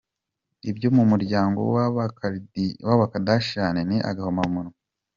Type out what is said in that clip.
Ibyo mu muryango w'aba Kardashians ni agahomamunwa.